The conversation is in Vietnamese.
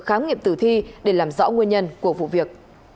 khám nghiệm tử thi để làm rõ nguyên nhân của vụ việc